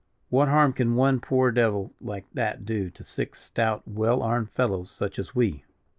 What harm can one poor devil like that do to six stout, well armed fellows, such as we?"